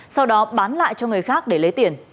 sau đó bán lại cho người khác để lấy tiền